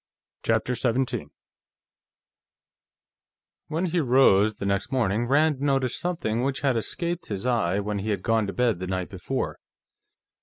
CHAPTER 17 When he rose, the next morning, Rand noticed something which had escaped his eye when he had gone to bed the night before.